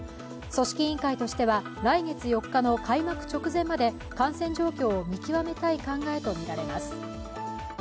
組織委員会としては来月４日の開幕直前まで感染状況を見極めたい変えとみられます。